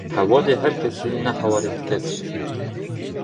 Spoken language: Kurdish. Hevalê her kesî, ne hevalê ti kesî ye.